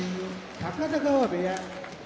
高田川部屋